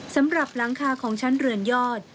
หลังคาของชั้นเรือนยอด